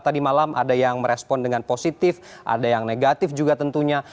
tadi malam ada yang merespon dengan positif ada yang negatif juga tentunya